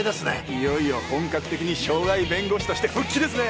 いよいよ本格的に渉外弁護士として復帰ですね！